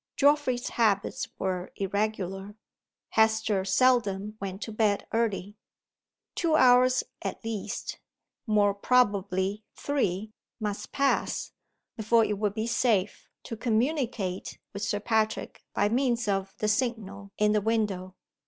Geoffrey's habits were irregular; Hester seldom went to bed early. Two hours at least more probably three must pass, before it would be safe to communicate with Sir Patrick by means of the signal in the window.